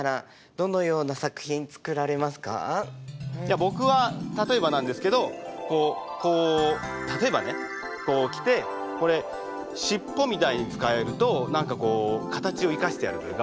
僕は例えばなんですけどこうこう例えばねこうきてこれ尻尾みたいに使えると何かこう形を生かしてやるというか。